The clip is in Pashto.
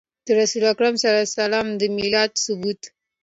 د رسول اکرم صلی الله عليه وسلم د ميلاد ثبوت